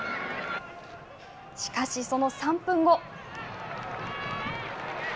しかし、その３分後。